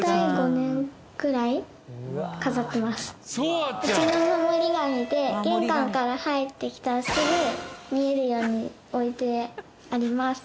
うちの守り神で玄関から入ってきたらすぐ見えるように置いてあります。